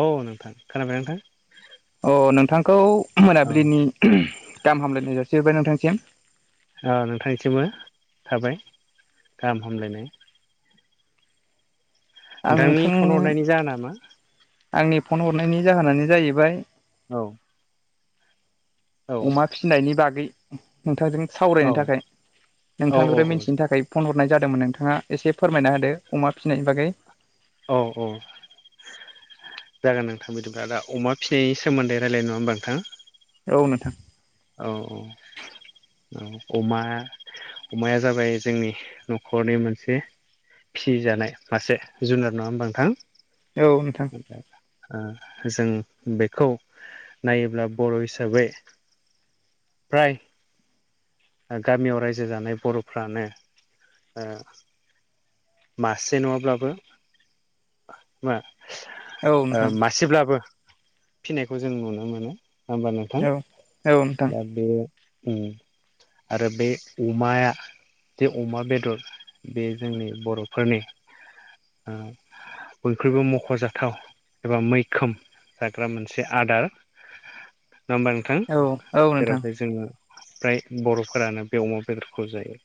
औ नोंथां खोनाबायना नोंथां अ नोंथांखौ औ मोनाबिलिनि गाहाम हामलायनाय जासिहरबाय नोंथांनिसिम अ नोंथांनिसिमबो थाबाय गाहाम हामलायनाय। आं नोंथांनि नोंथां फन हरनायनि जाहोना मा आंनि फन हरनायनि जाहोनानो जाहैबाय औ औ अमा फिनायनि बागै नोंथांजों सावरायनो औ थाखाय औ नोंथांनिफ्राय मिथिनो थाखाय फन हरनाय जादोंमोन नोंथाङा एसे फोरमायना हदो अमा फिनायनि बागै। औ औ जागोन नोंथां बिदिब्ला दा अमा फसिनायनि सोमोन्दै रायलायनो नङा होमबा नोंथां। औ नोंथां औ औ औ अमा अमाया जाबाय जोंनि न'खरनि मोनसे फि जानाय मासे जुनार नङा होनबा नोंथां। औ नोंथां ओ जों बेखौ नायोब्ला बर' हिसाबै फ्राय गामियाव रायजो जानाय बर'फ्रानो मासे नङाब्लाबो मा औ नोंथां मासेब्लाबो फिनायखौ जों नुनो मोनो होमबा नोंथां औ औ नोंथां दा बे अम आरो बे अमाया जे अमा बेदर बे जोंनि बर'फोरनि ओ बयनिख्रुइबो मख'जाथाव एबा मैखोम जाग्रा मोनसे आदार नङा होनबा नोंथां। औ औ नोंथां जेरावहाय जोंङो फ्राय बर'फोरानो बे अमा बेदरखौ जायो।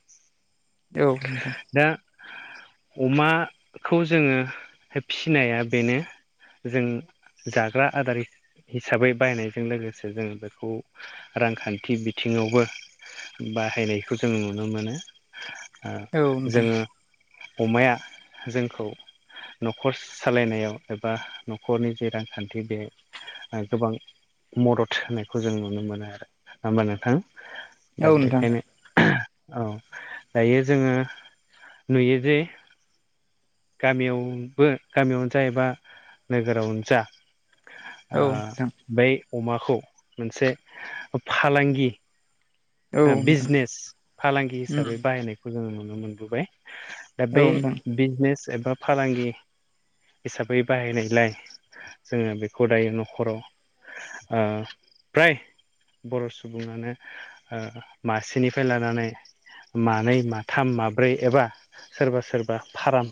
औ नोंथां दा अमाखौ जोंङो फिसिनाया बेनो जों जाग्रा आदार हिसाबै बायनायजों लोगोसे जोंङो बेखौ रांखान्थि बिथिङावबो बाहायनायखौ जों नुनो मोनो। ओ औ नोंथां उम जोंङो अमाया जोंखौ न'खर सालायनायाव एबा न'खरनि जे रांखान्थि बे गोबां मदद होनायखौ जों नु नो मोनो आरो होनबा नोंथां दा औ नोंथां बेखायनो औ दायो जोंङो नुयो जे गामियावबो गामियावनो जा एबा नोगोरावनो जा ओ औ बै अमाखौ मोनसे फालांगि बिजनेस फालांगि हिसाबै बाहायनायखौ जोंङो नुनो मोनबोबाय। दा नोंथां औ नोंथां औ बै नोंथां बिजनेस एबा फालांगि हिसाबै बाहायनायलाय जोङो बेखौ दायो न'खराव फ्राय बर' सुबुङानो मासेनिफ्राय लानानै मानै माथाम माब्रै एबा सोरबा सोरबा फार्म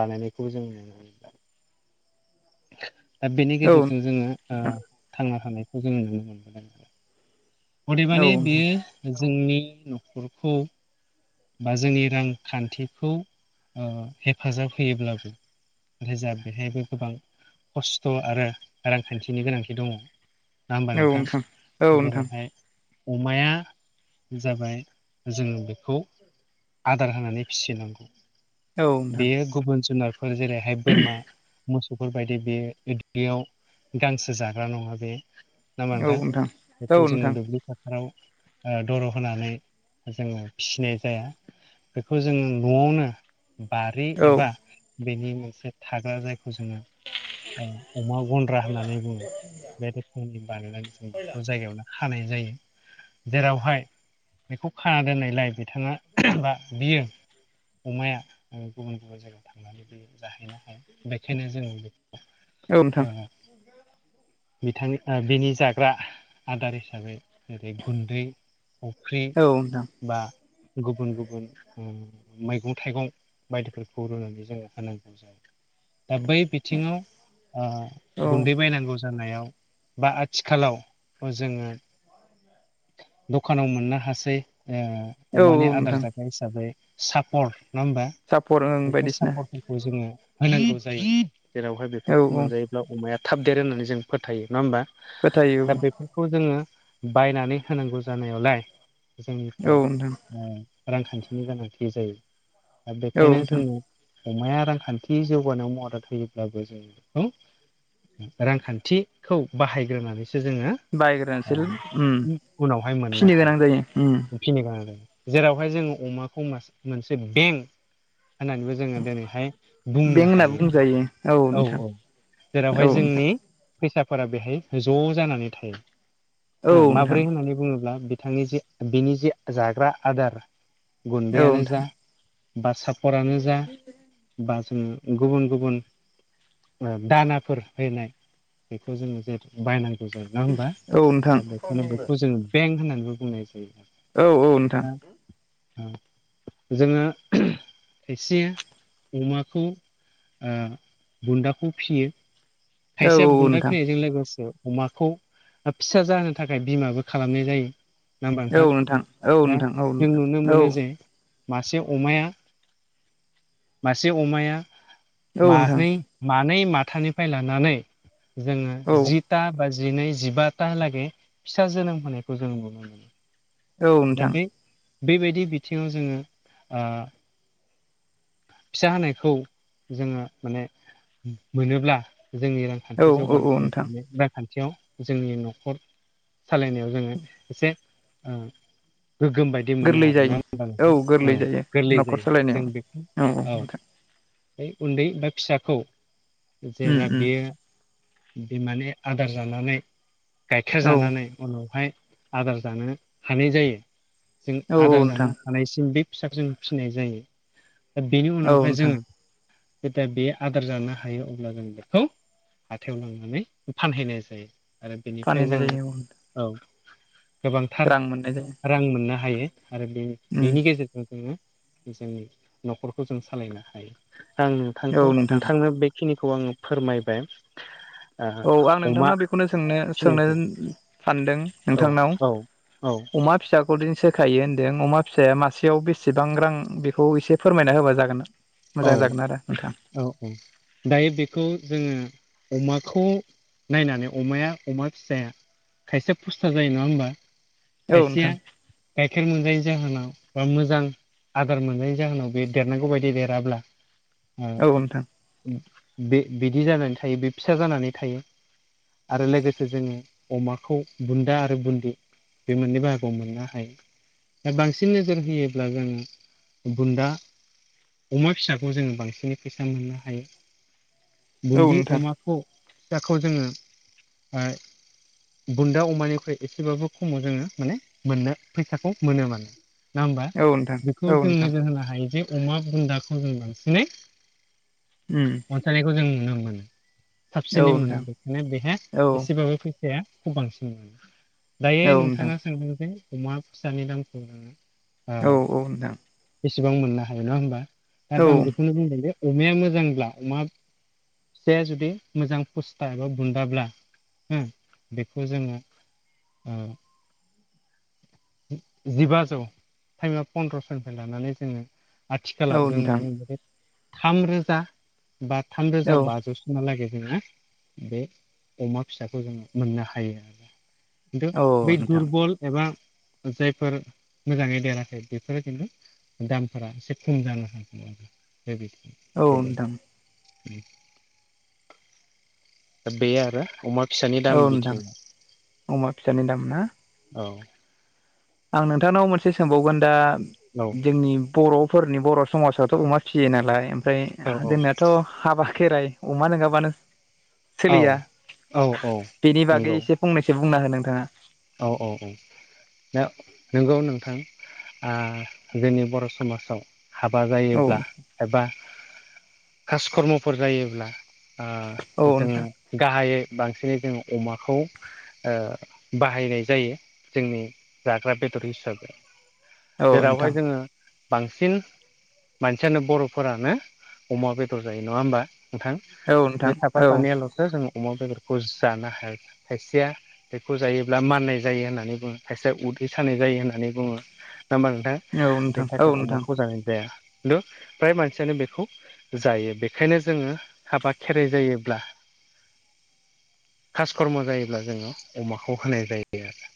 बानायनायखौबो जों नुनो मोनला। दा बेनि गेजेरजों जोङो थांना थानायखौ जो नुनो मोनबोदों आरो। अदेबानि बेयो जोंनि न'खरखौ बा जोंनि रांखान्थिखौ हेफाजाब होयोब्लाबो नथाय जा बेहायबो गोबां खस्थ' आरो रांखान्थिनि गोनांथि दङ। नामबार औ नोंथां नोंथां जेरैहाय अमाया जाबाय जोङो बेखौ आदार होनानै फिसिनांगौ औ नोंथां बेयो गुबुन जुनार फोर जेरैहाय बोरमा मोसौ बेफोरबायदि बे दलियाव गांसो जाग्रा नङा बे। ना औ बा नोंथां औ बेखौ जोङो नोंथां दुब्लि फोथाराव दर' होनानै जोङो फिसिनाय जाया बेखौ जोङो न'आवनो बारि औ एबा बेनि मोनसे थाग्रा जायखौ जोङो अमा गन्द्रा होननानै बुङो बेनि बानायनानै जों बेखौ जायगायावनो खानाय जायो जेरावहाय बेखौ खाना दोननायलाय बिथाङा बा बियो अमाया गुबुन गुबुन जायगायाव थाङो। नानै बे जाहैनो हाया बेखायनो जों बे औ नोंथां। बिथांनि बिनि जाग्रा आदार हिसाबै जेरै गुन्दै फफ्रि औ नोंथां बा गुबुन गुबुन मैगं थाइगं बायदिफोरखौ रुनानै जोङो होनांगौ जायो दा बै बिथिङाव औ गुन्दै बायनांगौ जानायाव बा आथिखालाव जोङो दखानाव मोननो हासै औ अमानि आदार नोंथां जाग्रा हिसाबै सापर् नङा होमबा सापर ओं बेफोर बायदिसिना सापर्टफोरखौ जोङो होनांगौ जायो। जेरावहाय औ बेफोरखौ औ मोनजायोब्ला अमाया थाब देर होननानै जों फोथायो नङा होमबा। फोथायो बेखौ जोङो बायनानै होनांगौ जानायावलाय औ जोंनिफ्राय नोंथां रांखान्थिनि गोनांथि जायो दा औ बेखायनो नोंथां जोङो अमाया रांखान्थि जौगानायाव मदद होयोब्लाबो जोंङो रांखान्थिखौ बाहायग्रोनानैसो जोङो बायग्रा ओ ओसोल उनावहाय मोननो फिनो गोनां हायो जायो। फिनो गोनां जादों जेरावहाय जोङो अमाखौ मोनसे बेंक होननानैबो जोङो दिनैहाय बें बुंनो होनना हायो बुंजायो। औ औ औ जेरावहाय नोंथां जोंनि फैसाफोरा बेहाय ज' जानानै थायो। औ नोंथां औ हो नोंथां माब्रै होननानै बुङोब्ला बिथांनि जे बिनि जे जाग्रा आदार औ गुन्दैआानो जा बा सापरानो जा बा जों गुबुन गुबुन दानाफोर फनाय बेखौ जोङो जे बायनांगौ। जायो नङा हबा नोंथां दा बेखायनो बेखौ जोङ बेंक होननानैबो बुंनाय जायो आरो। औ औ नोंथां। औ जोङो खायसे अमाखौ ओ बुन्दाखौ फियो औ खायसेया औ बुन्दा नोंथां औ फिनायजों लोगोसे अमाखौ फिसा जाहोनो थाखाय बिमाबो खालामनाय जायो। ना बांथां नोंथां औ नोंथां औ दा जों नुनो नोंथां औ मोनो जे मासे अमाया मासे अमाया नोंथां मानै मानै माथानिफ्राय लानानै जोङो औ जि था बाजिनै जिबाता लागै फिसा जोनोम होनायखौ जों नुनो मोनो। दा बे बेबायदि बिथिङाव जोङो ओ फिसा होनायखौ जोङो माने मोनोब्ला जोंनि रां औ नोंथां औ रांखान्थि औ औ नोंथां जौगानाय रांखान्थियाव जोंनि न'खर सालायनायाव जोङो एसे गोगोम बायदि बिदि मोनो गोरलै आरो जायो ना होनबा औ नों गोरलै औ जायो गोरलै न'खर जायो सालायनायाव जों बेखौ औ नोंथां बे उन्दै बा फिसाखौ उम जेब्ला उम बेयो बेमाने आदार जानानै गाइखेर औ जानानै उनावहाय आदार जानो हानाय जायो जों औ औ आदार नोंथां जानो हानायसिम बे फिसाखौ जों फिसिनाय जायो दा बेनि औ उनावहाय नोंथां जोङो जेदि बे आदार जानो हायो अब्ला जों बेखौ हाथायाव लांनानै फानहैनाय जायो आरो बेनिफ्राय फानहैनाय जोङो जायो औ औ। गोबांथार रां मोननाय जायो रां मोननो हायो आरो बे उम बेनि गेजेरजों जों जोंनि न'खरखौ जों सालायनो हायो आं औ नोंथांखौ नोंथां नोंथांनो बे बेखिनिखौ आङो फोरमायबाय। औ आं ओ अमा नोंथांनाव बेखौनो सोंनो सोंनो फिनायखौ सानदों औ नोंथांनाव। औ औ अमा फिसाखौ फरदिन सोखायो होन्दों अमा फिसाया मासेयाव बेसेबां रां बेखौ एसे फोरमायना होबा जागोन। औ मोजां जागोन आरो नोंथां। औ औ। दायो बेखौ जोङो अमाखौ नायनानै अमाया अमा फिसाया खायसेया फुस्था जायो नङा होनबा नोंथां खायसेया गाइखेर मोनजायैनि जाहोनाव बा मोजां आदार मोनजयैनि जाहोनाव बे देरनांगौ बायदि देर जाब्ला औ नोंथां उम बे बिदि जानानै थायो बे फिसा जानानै थायो। आरो लोगोसे जोङो अमाखौ बुन्दा आरो बुन्दि बे मोननै बाहागोआव मोननो हायो। बांसिन नोजोर होयोब्ला जोङो बुन्दा अमा फिसाखौ जोङो बांसिनै फैसा मोननो हायो औ बुन्दि नोंथां अमा बुन्दाखौ जोङो ओ बुन्दा अमानिख्रुइ एसेबाबो खमाव जोङो माने मोननो फैसाखौ मोनो माने नङा होमबा औ नोंथां बेखौ औ नोंथां औ जों नोंथां नोजोर होनो हायो जे अमा बुन्दाखौ जों बांसिनै उम। अनसायनायखौ जों नुनो मोनो औ साबसिनै मोनो नोंथां बेखायनो बेहाय औ औ एसेबाबो फैसा फिसायाखौ बांसिन मोनो दायो नोंथां नोंथाङा सोंदों जे अमा फिसानि दामखौ जोङो ओ औ औ नोंथां बेसेबां मोननो हायो नङा होमबा। दा औ आं बेखौनो बुंदों जे अमाया मोजांब्ला अमा फिसाया जुदि मोजां फुस्था एबा बुन्दाब्ला हो बेखौ जोङो औ। जिबाजौ टाइमा पन्द्रस'निफ्राय लानानै जोङो औ आथिखालाव जों नुनो नोंथां मोनो थामरोजा बा थामरोजा औ बाजौ हालागै जोङो बे अमा फिसाखौ जोङो मोननो हायो। खिनथु औ बेै नोंथां दुरबल एबा जायफोर मोजाङै देराखै बेफोरो खिन्थु दामफोरा एसे खम जानो हागौ आरो। औ बेबायदि। नोंथां बे आरो अमा फिसानि औ दाम नोंथां बिथिङाव अमा फिसानि दाम ना औ। आं नोंथांनाव मोनसे सोंबावगोन दा औ जोंनि बर' फोरनि बर' समाजावथ' अमा फिसियो नालाय ओमफ्राय जोंनाथ' हाबा खेराइ अमा नङाबानो औ सोलिया औ औ बेनि बागै नंगौ एसे फंनैसो बुंना हो नोंथाङा औ औ औ दा नोंगौ नोंथां आ जोंनि बर' समाजाव हाबा औ जायोब्ला एबा खासकर्म'फोर जायोब्ला औ ओ जोङो नोंथां गाहायै बांसिनै जोङो अमाखौ ओ बाहायनाय जायो जोंनि जाग्रा बेदर हिसाबै औ नोंथां जेरावहाय जोङो बांसिन मानसियानो बर'फोरानो अमा बेदर जायो नङा होमबा नोंथां औ नोंथां बे साफा औ सानैयाल'सो जों अमा बेदरखौ जानो हायाखै खायसेया खौ जायोब्ला माननाय जायो होननानै बुङो खायसेया उदै सानाय जायो होननानै बुङो नङा ओमबा नोंथां बेनि नोंथां थाखाय अमाखौ जानाय जाया खिन्थु फ्राय मानसियानो बेखौ जायो बेखायनो जोङो हाबा खेराइ जायोब्ला खास कर्म जायोब्ला जोङो अमाखौ होनाय जायो आरो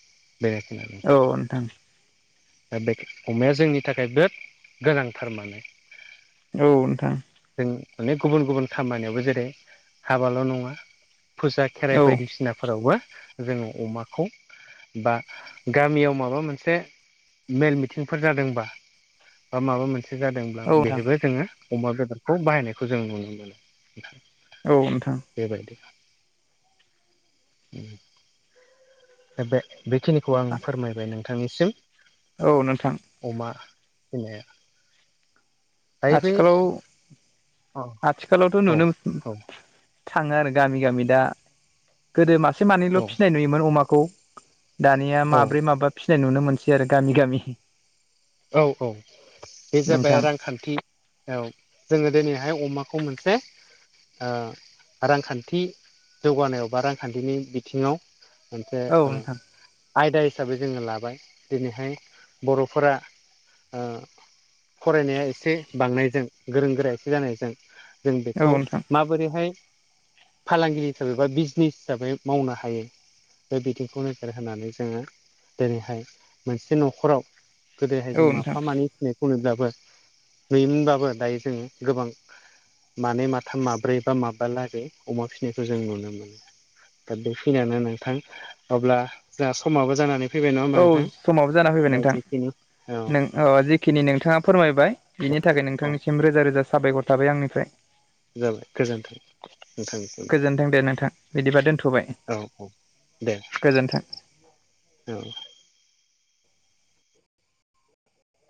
बेखिनियानो नोंथां दा बेग अमाया जोंनि थाखाय बिराद गोनांथारमाने औ नोंथां जों अनेक गुबुन गुबुन खामानियावबो जेरै हाबाल' नङा फुसा औ नोंथां औ खेराइ बायदिसिनाफोरावबो जोङो अमाखौ बा गामियाव माबा मोनसे मेल मिथिंफोर जादोंबा बा माबा मोनसे जादों ब्ला औ नोंथां बेहायबो जोङो अमा बेदरखौ बाहायनायखौ जों नुनो मोनो औ नोंथां बेबायदि दा बे बेखिनिखौ आं फोरमायबाय नोंथांनिसिम औ नोंथां अमा [unintelligible] ओमफ्राय बे आथिखालाव औ आथिखालावथ' औ नुनो [unintelligible] थाङो आरो गामि गामि दा गोदो मासे मानैल' औ फिसिनाय नुयोमोन अमाखौ दानिया औ माब्रै माबा फिसिनाय नुनो मोनसै आरो गामि गामि हि औ औ बे जाबाय रांखान्थि औ जोङो दिनैहाय अमाखौ मोनसे ओ रांखान्थि जौगानायाव बा रांखान्थिनि बिथिङाव मोनसे औ ओ नोंथां आयदा हिसाबै जोङो लाबाय दिनैहाय बर'फोरा ओ फरायनाया एसे बांनायजों गोरों गोरा एसे जानायजों जों औ बेखौ नोंथां माबोरैहाय फालांगि हिसाबै बा बिजनिस हिसाबै मावनो हायो दा बिथिंखौ नोजोर होनानै जोङो जेरैहाय मोनसे न'खराव गोदोहाय औ जों नोंथां माफा मानै फिनायखौ नब्लाबो नुयोमोनबाबो दायो जोङो गोबां मानै माथाम माब्रै बा माबा लागै अमा फिसिनायखौ जों नुनो मोनो दा बे खिनियानो नोंथां अब्ला जोंहा समाबो जानानै फैबाय नङा होमबा नोंथां औ समाबो जाना फैबाय दा नोंथां जेखिनि औ नों अ जिखिनि नोंथाङा फोरमायबाय बिनि थाखाय औ नोंथांनिसिम रोजा रोजा साबायखर थाबाय आंनिफ्राय जाबाय गोजोन्थों नोंथांनिसिम गोजोनथों दे नोंथां बिदिबा दोनथ'बाय औ औ दे गोजोनथों औ